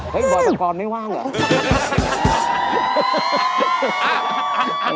้วยยยบ่อิากรไม่ว่างเหรอ